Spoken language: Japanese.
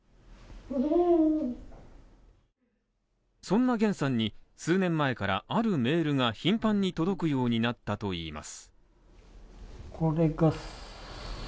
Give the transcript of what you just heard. そんなげんさんに、数年前からあるメールが頻繁に届くようになったといいます。